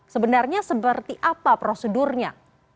sebenarnya seperti apa prosedurnya